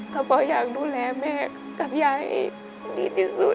เขาเพราะอยากดูแลแม่กับยายให้ดีที่สุด